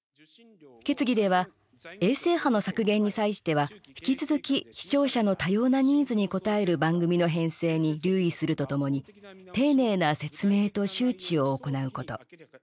決議では衛星波の削減に際しては引き続き視聴者の多様なニーズに応える番組の編成に留意するとともに丁寧な説明と周知を行うこと。